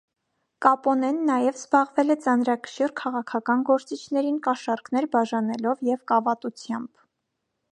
Կապոնեն նաև զբաղվել է ծանրակշիռ քաղաքական գործիչներին կաշառքներ բաժանելով և կավատությամբ։